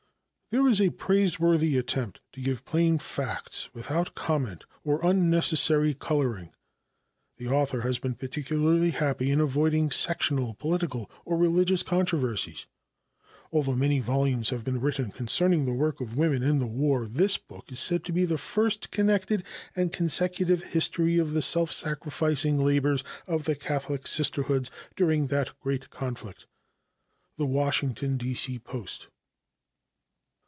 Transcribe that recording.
There is a praiseworthy attempt to give plain facts without comment or unnecessary coloring. The author has been particularly happy in avoiding sectional, political or religious controversies. Although many volumes have been written concerning the work of women in the war, this book is said to be the first connected and consecutive history of the self sacrificing labors of the Catholic Sisterhoods during that great conflict. The Washington (D. C.) Post.